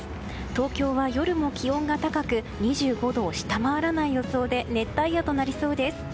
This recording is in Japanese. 東京は夜も気温が高く２５度を下回らない予想で熱帯夜となりそうです。